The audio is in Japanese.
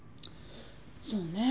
そうね。